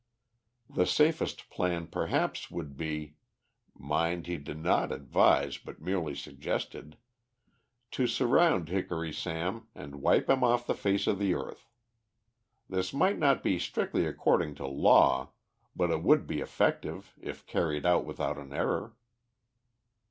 The safest plan perhaps would be mind, he did not advise, but merely suggested to surround Hickory Sam and wipe him off the face of the earth. This might not be strictly according to law, but it would be effective, if carried out without an error.